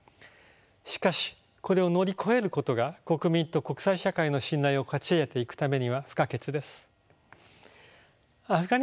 しかしこれを乗り越えることが国民と国際社会の信頼を勝ちえていくためには不可欠です。